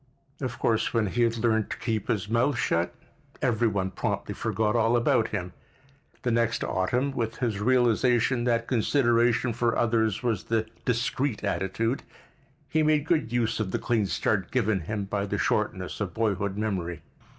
Of course when he had learned to keep his mouth shut every one promptly forgot all about him. The next autumn, with his realization that consideration for others was the discreet attitude, he made good use of the clean start given him by the shortness of boyhood memory.